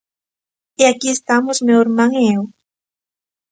E aquí estamos meu irmán e eu.